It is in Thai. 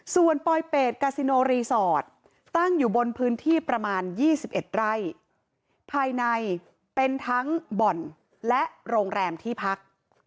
ส่วนปลอยเป็ดกาซิโนรีสอร์ทตั้งอยู่บนพื้นที่ประมาณ๒๑ไร่ภายในเป็นทั้งบ่อนและโรงแรมที่พัก